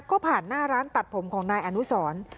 ก็ผ่านหน้าร้านตัดผมของนายอนุสร